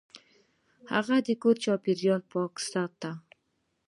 هغه د کور چاپیریال پاک ساته.